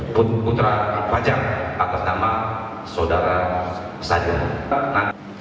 putra fajar atas nama saudara sadira